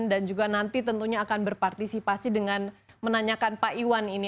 dan juga nanti tentunya akan berpartisipasi dengan menanyakan pak iwan ini